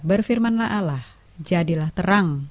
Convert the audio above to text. berfirmanlah allah jadilah terang